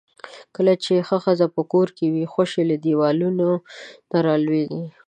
کله چې ښه ښځۀ پۀ کور کې وي، خؤښي له دیوالونو را لؤیږي.